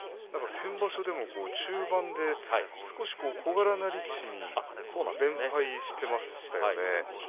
先場所でも中盤で少し小柄な力士に連敗していましたよね。